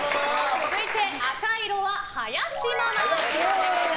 続いて、赤色は林ママ。